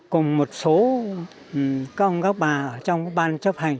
cùng một số các ông các bà ở trong ban chấp hành